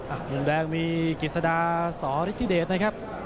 อ่ะมุมแดงมีกฤษฎาสรฤทธิเดชนะครับ